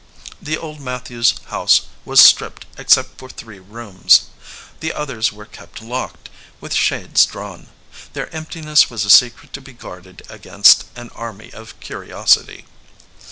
The old Mat thews house was stripped except for three rooms. The others were kept locked, with shades drawn. Their emptiness was a secret to be guarded against an army of curiosity.